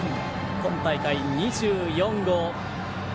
今大会２４号。